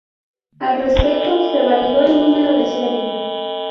Al respecto, se validó el número de serie.